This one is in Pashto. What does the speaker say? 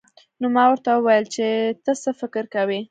نو ما ورته وويل چې ته څه فکر کوې.